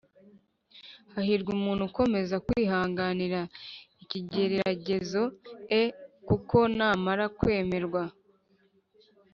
Hahirwa umuntu ukomeza kwihanganira ikigeragezo e kuko namara kwemerwa